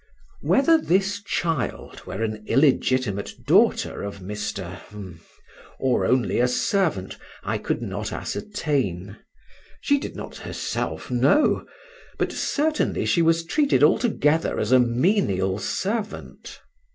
Whether this child were an illegitimate daughter of Mr. ——, or only a servant, I could not ascertain; she did not herself know; but certainly she was treated altogether as a menial servant.